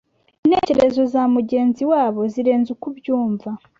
intekerezo za mugenzi wabo zirenze uko ubyumva